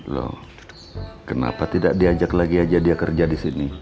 loh kenapa tidak diajak lagi aja dia kerja di sini